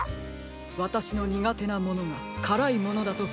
わたしのにがてなものがからいものだときいたときに。